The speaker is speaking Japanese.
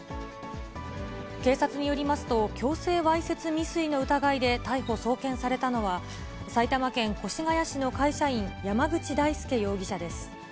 警察によりますと、強制わいせつ未遂の疑いで逮捕・送検されたのは、埼玉県越谷市の会社員、山口大輔容疑者です。